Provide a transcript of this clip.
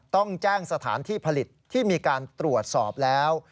ต้องแจ้งสถานที่ผลิตที่มีการตรวจสอบแล้ว